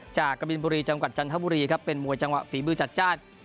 กะบินบุรีจังหวัดจันทบุรีครับเป็นมวยจังหวะฝีมือจัดจ้าน